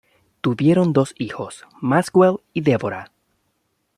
Tuvieron dos hijos, Maxwell y Deborah.